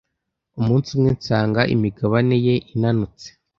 umunsi umwe nsanga imigabane ye inanutse